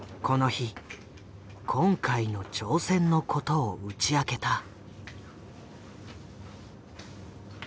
この日今回の挑戦のことを打ち明けた。